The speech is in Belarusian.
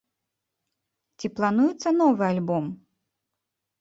Ці плануецца новы альбом?